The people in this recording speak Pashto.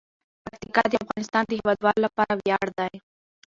پکتیکا د افغانستان د هیوادوالو لپاره ویاړ دی.